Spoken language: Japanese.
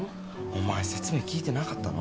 お前説明聞いてなかったの？